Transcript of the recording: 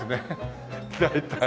大体。